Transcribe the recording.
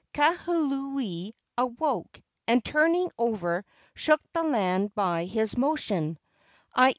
Kahuli awoke and turning over shook the land by his motion, i.